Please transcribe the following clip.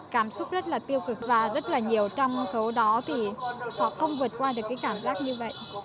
cảm xúc rất là tiêu cực và rất là nhiều trong số đó thì họ không vượt qua được cái cảm giác như vậy